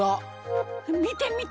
見て見て！